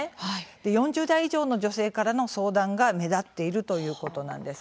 ４０代以上の女性からの相談が目立っているということです。